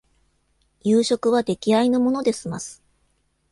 夕食は出来合いのもので済ます